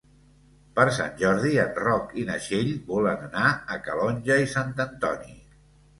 Per Sant Jordi en Roc i na Txell volen anar a Calonge i Sant Antoni.